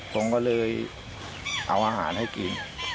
ผมก็เลยเอาอาหารให้กิน